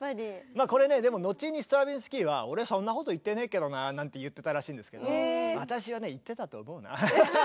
まあこれねでも後にストラヴィンスキーは俺そんなこと言ってねえけどななんて言ってたらしいんですけど私はね言ってたと思うな。